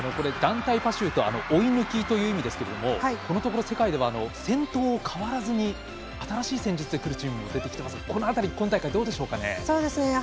団体パシュート追い抜きという意味ですけどもこのところ、世界では先頭、変わらずに新しい戦術で出てきてますが、この辺り今大会どうでしょうかね。